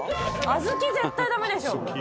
「あずき絶対ダメでしょ」